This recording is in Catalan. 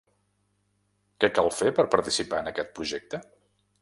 Què cal fer per participar en aquest projecte?